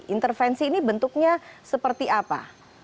intervensi ini bentuknya seperti apa